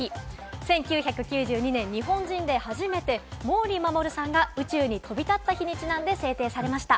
１９９２年、日本人で初めて毛利衛さんが宇宙に飛び立った日にちなんで制定されました。